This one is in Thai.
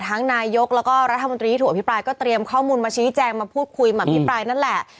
นายกแล้วก็รัฐมนตรีที่ถูกอภิปรายก็เตรียมข้อมูลมาชี้แจงมาพูดคุยมาอภิปรายนั่นแหละ